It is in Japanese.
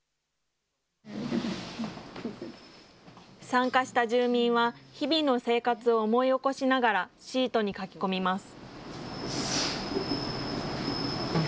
参加した住民は、日々の生活を思い起こしながらシートに書き込みます。